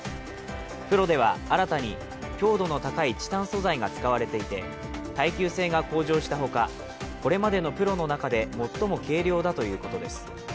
Ｐｒｏでは新たに強度の高いチタン素材が使われていて、耐久性が向上したほか、これまでのＰｒｏの中で最も軽量だということです。